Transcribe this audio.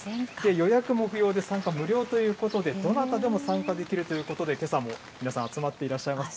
予約も不要で参加無料ということでどなたでも参加できるということで、けさも皆さん、集まっていらっしゃいます。